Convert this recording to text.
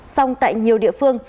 song tại nhiều địa phương